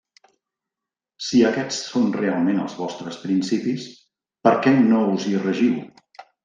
Si aquests són realment els vostres principis, ¿per què no us hi regiu?